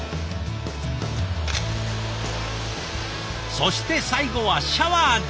そして最後はシャワーで。